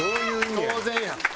当然や。